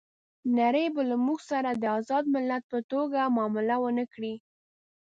نړۍ به له موږ سره د آزاد ملت په توګه معامله ونه کړي.